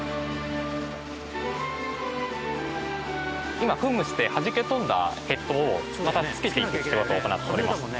今噴霧してはじけ飛んだヘッドをまたつけていく仕事を行っております。